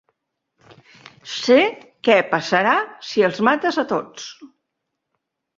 Sé què passarà si els mates a tots.